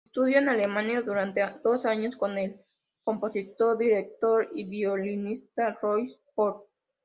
Estudió en Alemania durante dos años con el compositor, director y violinista Louis Spohr.